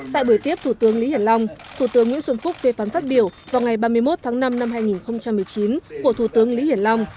tại buổi tiếp thủ tướng lý hiển long thủ tướng nguyễn xuân phúc phê phán phát biểu vào ngày ba mươi một tháng năm năm hai nghìn một mươi chín của thủ tướng lý hiển long